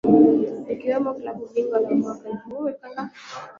likiwemo Klabu bingwa la mwaka elfu moja mia tisa sabini na mbili